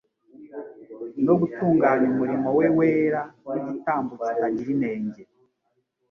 no gutunganya umurimo we wera n'igitambo kitagira inenge.